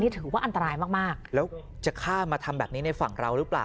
ถือว่าอันตรายมากแล้วจะฆ่ามาทำแบบนี้ในฝั่งเราหรือเปล่า